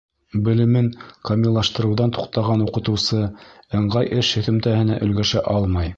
Белемен камиллаштырыуҙан туҡтаған уҡытыусы ыңғай эш һөҙөмтәһенә өлгәшә алмай.